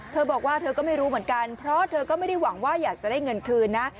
เธอบอกว่าเธอก็ไม่รู้เหมือนกันเพราะเธอก็ไม่ได้หวังว่าอยากจะได้เงินคืนนะ